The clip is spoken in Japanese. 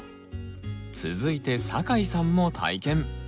続いて酒井さんも体験。